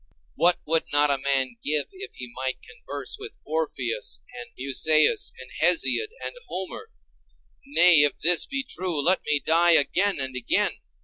What would not a man give if he might converse with Orpheus and Musæus and Hesiod and Homer? Nay, if this be true, let me die again and again.